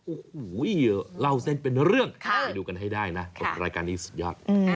โอ้โหเล่าเส้นเป็นเรื่องไปดูกันให้ได้นะกับรายการนี้สุดยอด